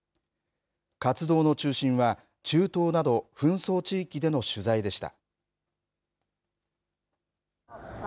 活動の中心は中東など紛争地域での取材でした。